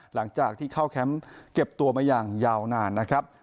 หลังจากที่เข้าแคมป์เก็บตัวมาอย่างยาวนานนะครับ